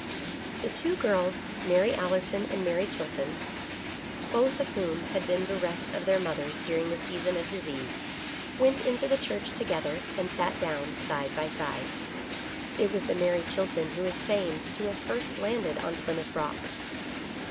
The two girls, Mary Allerton and Mary Chilton, both I 12 THE pilgrims' EASTER LILY. of whom had been bereft of their mothers during the season of disease, went into the church together, and sat down side by side. It was the Mary Chilton who is famed to have first landed on Plymouth Rock.